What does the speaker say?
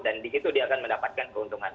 dan disitu dia akan mendapatkan keuntungan